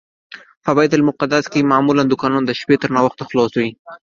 په بیت المقدس کې معمولا دوکانونه د شپې تر ناوخته خلاص وي.